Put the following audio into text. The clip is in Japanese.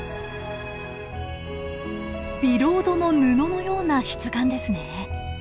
ビロードの布のような質感ですね。